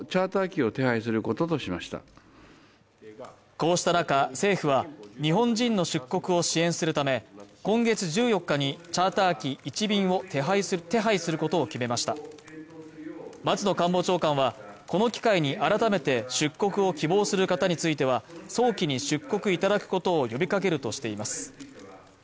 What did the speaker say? こうした中政府は日本人の出国を支援するため今月１４日にチャーター機１便を手配することを決めました松野官房長官はこの機会に改めて出国を希望する方については早期に出国いただくことを呼びかけるとしています